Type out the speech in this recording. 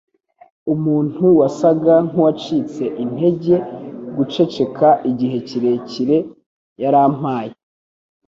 umuntu wasaga nkuwacitse intege guceceka igihe kirekire yarampaye